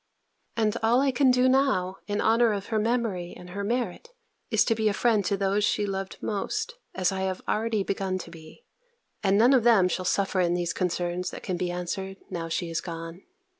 And all I can do now, in honour of her memory and her merit, is to be a friend to those she loved most, as I have already begun to be, and none of them shall suffer in those concerns that can be answered, now she is gone.